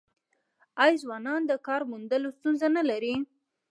آیا ځوانان د کار موندلو ستونزه نلري؟